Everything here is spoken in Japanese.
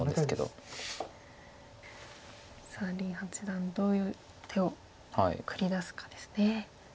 さあ林八段どういう手を繰り出すかですね。